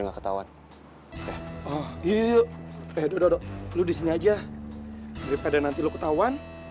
gapansin jadi mata mata